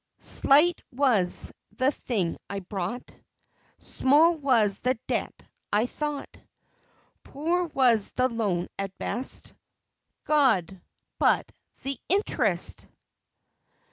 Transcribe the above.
Slight was the thing I bought, Small was the debt I thought, Poor was the loan at best God! but the interest!